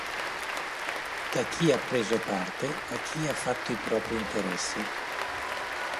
Da chi ha preso parte, a chi ha fatto i propri interessi.